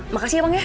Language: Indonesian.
makasih ya bang ya